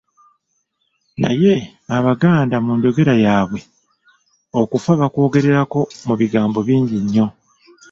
Naye Abaganda mu njogera yaabwe, okufa bakwogererako mu bigambo bingi nnyo.